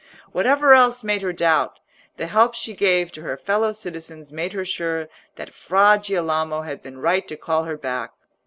Whatever else made her doubt, the help she gave to her fellow citizens made her sure that Fra Girolamo had been right to call her back.